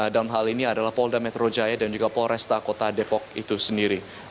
dalam hal ini adalah polda metro jaya dan juga polresta kota depok itu sendiri